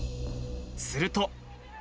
すると。